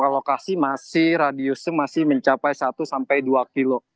lokasi masih radiusnya masih mencapai satu sampai dua kilo